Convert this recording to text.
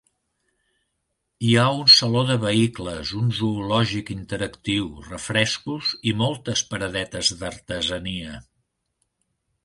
Hi ha un saló de vehicles, un zoològic interactiu, refrescos i moltes paradetes d'artesania.